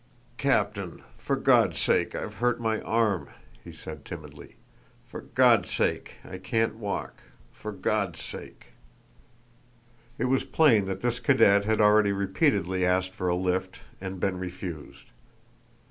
"Captain, for God's sake! I've hurt my arm," he said timidly. "For God's sake... I can't walk. For God's sake!" It was plain that this cadet had already repeatedly asked for a lift and been refused.